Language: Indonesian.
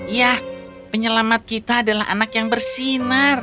ya penyelamat kita adalah anak yang bersinar